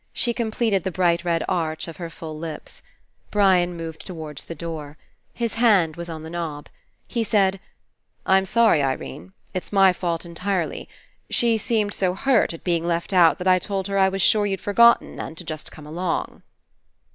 She completed the bright red arch of her full lips. Brian moved towards the door. His hand was on the knob. He said: "I'm sorry, Irene. It's my fault entirely. She seemed so hurt at being left out that I told her I was sure you'd for gotten and to just come along."